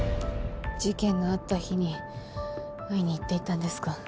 事件のあった日に会いに行っていたんですか？